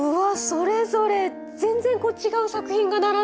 それぞれ全然違う作品が並んでますね。